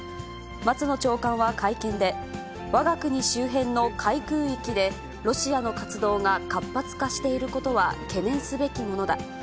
松野長官は会見で、わが国周辺の海空域で、ロシアの活動が活発化していることは懸念すべきものだ。